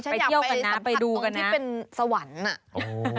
ไปเที่ยวกันนะไปดูกันนะอันนี้ฉันอยากไปสัมผัสตรงที่เป็นสวรรค์